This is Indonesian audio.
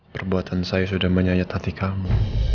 perbuatan saya sudah menyayat hati kamu